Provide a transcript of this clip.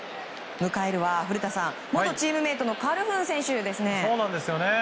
迎えるは、元チームメートのカルフーン選手ですね。